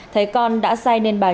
thấy con đã say nên bà nhung